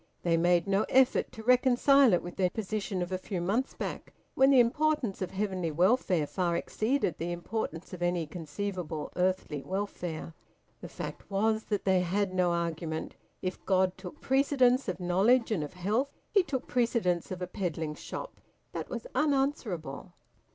They made no effort to reconcile it with their position of a few months back, when the importance of heavenly welfare far exceeded the importance of any conceivable earthly welfare. The fact was that they had no argument. If God took precedence of knowledge and of health, he took precedence of a peddling shop! That was unanswerable.